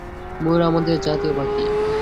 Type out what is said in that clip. ময়ূর আমাদের জাতীয় পাখি।